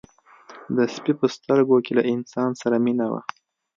د سپي په سترګو کې له انسان سره مینه وه.